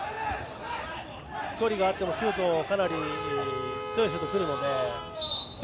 距離があってもかなり強いシュートがくるので。